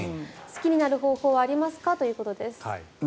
好きになる方法はありますかということです。